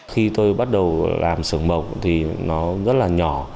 khi tôi bắt đầu làm sưởng mộc thì nó rất là nhỏ